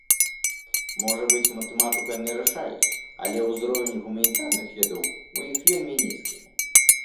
Можа быць, матэматыку яны рашаюць, але ўзровень гуманітарных ведаў у іх вельмі нізкі.